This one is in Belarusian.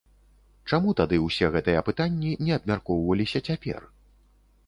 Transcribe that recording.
Чаму тады ўсе гэтыя пытанні не абмяркоўваліся цяпер?